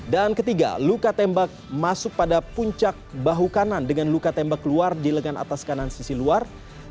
dan ketiga luka tembak masuk pada puncak bahu kanan dengan luka tembak keluar di lengan atas kanan sisi luar